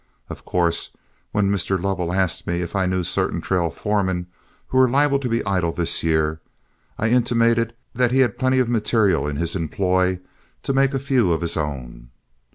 Of course, when Mr. Lovell asked me if I knew certain trail foremen who were liable to be idle this year, I intimated that he had plenty of material in his employ to make a few of his own.